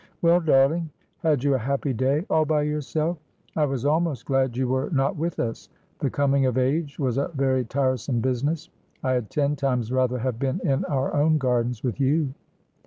' Well, darling, had you a happy day all by yourself ? I was almost glad you were not with us. The coming of age was a very tiresome business. I had ten times rather have been in our own gardens with you.'